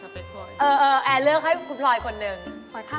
คุณครับไปเติมเงินก่อนค่ะ